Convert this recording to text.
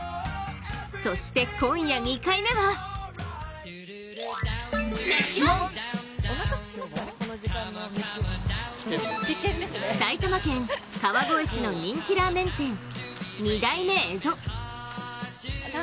そして今夜、２回目は埼玉県川越市の人気ラーメン店二代目蝦夷。